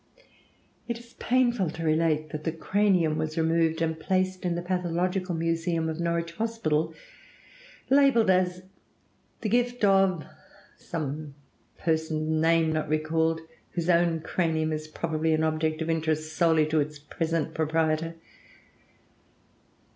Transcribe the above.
It is painful to relate that the cranium was removed and placed in the pathological museum of the Norwich Hospital, labeled as "the gift of" some person (name not recalled), whose own cranium is probably an object of interest solely to its present proprietor.